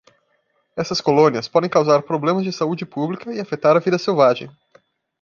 Essas colônias podem causar problemas de saúde pública e afetar a vida selvagem.